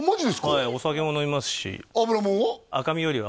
はいお酒も飲みますし脂もんは？